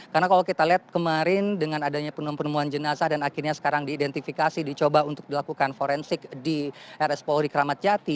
karena kalau kita lihat kemarin dengan adanya penemuan penemuan jenazah dan akhirnya sekarang diidentifikasi dicoba untuk dilakukan forensik di rs polri kramatjati